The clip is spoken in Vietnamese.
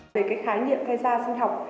về cái khái nghiệm thay da sinh học